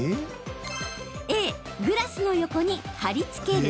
Ａ・グラスの横に貼り付ける。